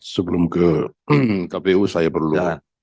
sebelum ke kpu saya perlu